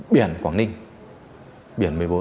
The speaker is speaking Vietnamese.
biển quảng ninh biển một mươi bốn